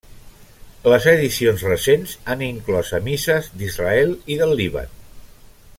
Les edicions recents han inclòs a misses d'Israel i del Líban.